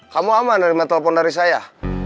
kamu aman nilainya telpon dari saya